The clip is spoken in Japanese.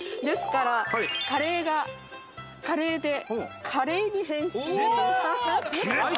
ですからカレイがカレーで華麗に変身。